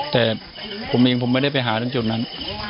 แต่ผมเองผมไม่ได้ไปหาตรงจุดนั้น